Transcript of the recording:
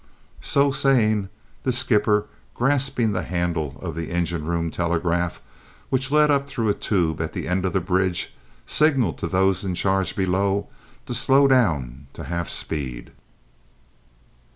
So saying, the skipper, grasping the handle of the engine room telegraph, which led up through a tube at the end of the bridge, signalled to those in charge below to slow down to half speed.